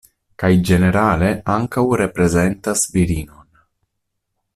Kaj ĝenerale ankaŭ reprezentas virinon.